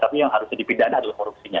tapi yang harus dipindahkan adalah korupsinya